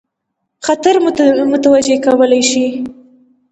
خطر متوجه کولای شي.